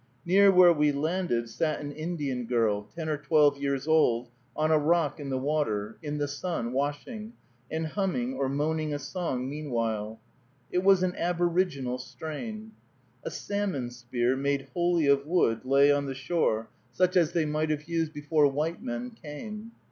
Near where we landed sat an Indian girl, ten or twelve years old, on a rock in the water, in the sun, washing, and humming or moaning a song meanwhile. It was an aboriginal strain. A salmon spear, made wholly of wood, lay on the shore, such as they might have used before white men came.